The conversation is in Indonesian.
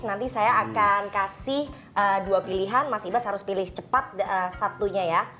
nanti saya akan kasih dua pilihan mas ibas harus pilih cepat satunya ya